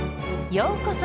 ようこそ！